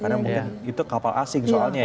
karena mungkin itu kapal asing soalnya ya